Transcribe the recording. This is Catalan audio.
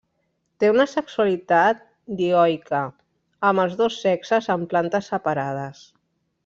Té una sexualitat dioica, amb els dos sexes en plantes separades.